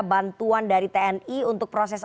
bantuan dari tni untuk proses